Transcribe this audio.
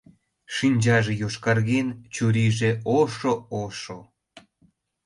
Шинчаже йошкарген, чурийже ошо-ошо.